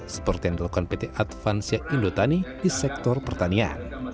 seperti yang dilakukan pt advansia indotani di sektor pertanian